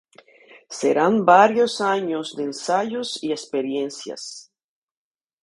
Serán varios años de ensayos y experiencias.